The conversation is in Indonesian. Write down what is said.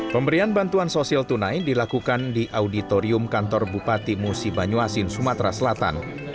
pemberian bantuan sosial tunai dilakukan di auditorium kantor bupati musi banyuasin sumatera selatan